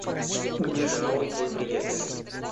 Где же новый твой приятель?